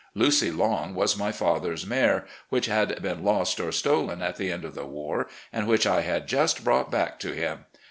"Lucy Long" was my father's mare, which had been lost or stolen at the end of the war, and which I had just brought back to him.